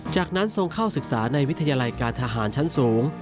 จากนั้นทรงเข้าศึกษาในวิทยาลัยการทหารชั้นสูง